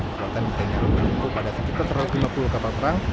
perbuatan di tni al berhubung pada sekitar satu ratus lima puluh kapal perang